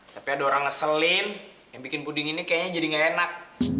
tapi ada orang ngeselin yang bikin puding ini kayaknya jadi gak enak